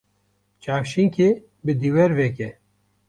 Çavşînkê bi dîwêr veke.